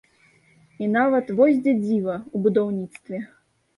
І нават, вось дзе дзіва, у будаўніцтве.